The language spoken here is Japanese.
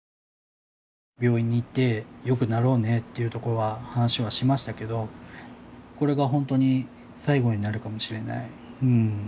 病院に行ってよくなろうねっていうところは話しはしましたけどこれがほんとに最後になるかもしれない。